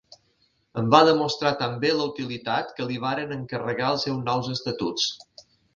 En va demostrar tan bé la utilitat que li varen encarregar els seus nous estatuts.